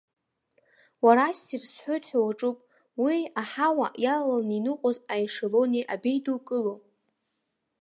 Уара ассир сҳәоит ҳәа уаҿуп, уии, аҳауа иалаланы иныҟәоз аешелони абеидукыло!